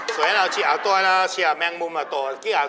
โสยาจะอาวุธตัวเขาเหลือเดียวแมงมุมอาวุธตัว